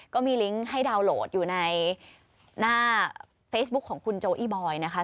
ก็มีลิงก์ให้ดาวน์โหลดอยู่ในหน้าเฟซบุ๊คของคุณโจอี้บอยนะคะ